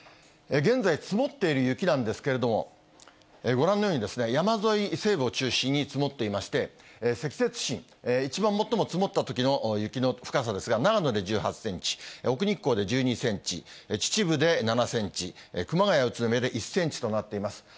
現在、積もっている雪なんですけれども、ご覧のように山沿い、西部を中心に積もっていまして、積雪深、一番最も積もったときの雪の深さですが、長野で１８センチ、奥日光で１２センチ、秩父で７センチ、熊谷、宇都宮で１センチとなっています。